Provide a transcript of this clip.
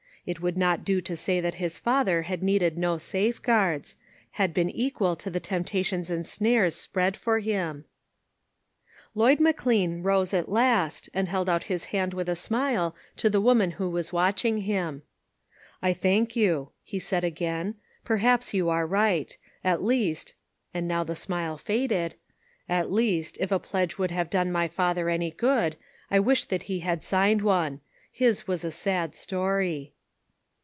It would not do to say that his father had needed no safeguards — had been equal to the temptations and snares spread for him. Lloyd McLean rose at last, and held out his hand with a smile to the woman who was watching him. LIGHT OUT OF DARKNESS. 425 " I thank you," he said again. *' Perhaps you are right. At least "— and now the smile faded —" at least, if a pledge would have done my father any good, I wish that he had signed one. His was a sad story."